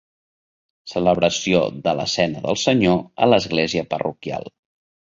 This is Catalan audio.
Celebració de la Cena del Senyor a l'església parroquial.